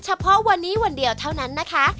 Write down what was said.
เฉพาะวันนี้วันเดียวเท่านั้นนะคะ